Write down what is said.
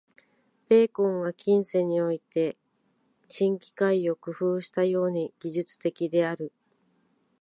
ベーコンが近世において「新機関」を工夫したように、技術的である。